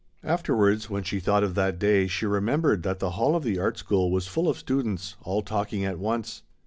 Afterward when she thought of that day, she remembered that the hall of the Art School was full of students all talking at once.